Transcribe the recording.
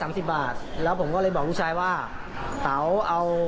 มาถอนแจ้งฟาร์มให้เขาครับ